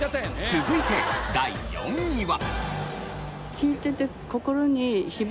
続いて第４位は。